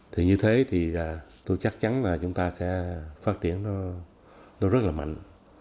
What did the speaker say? thì như thế thì tôi chắc chắn là chúng ta sẽ phát triển nó rất là mạnh